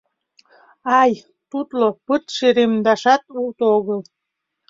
— Ай, тутло, пырт шеремдашат уто огыл.